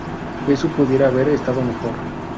Eso pudiera haber estado mejor".